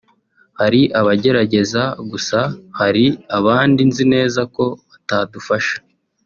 hari abagerageza gusa hari abandi nzi neza ko batadufasha